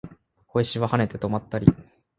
小石は跳ねて止まったり